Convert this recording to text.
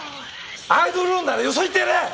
アイドル論ならよそ行ってやれ！